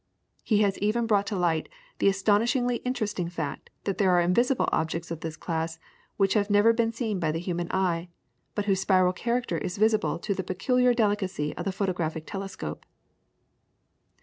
He has even brought to light the astonishingly interesting fact that there are invisible objects of this class which have never been seen by human eye, but whose spiral character is visible to the peculiar delicacy of the photographic telescope.